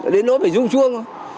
đến nỗi phải rung chuông thôi